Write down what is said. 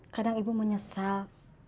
kadang ibu menyesal